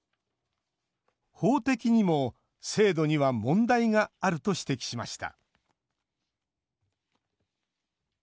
法的にも制度には問題があると指摘しました